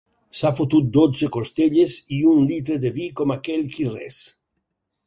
S'ha fotut dotze costelles i un litre de vi com aquell qui res!